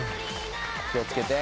気をつけて。